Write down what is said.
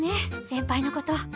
先輩のこと。